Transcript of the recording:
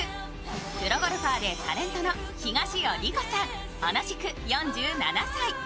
プロゴルファーでタレントの東尾理子さん、同じく４７歳。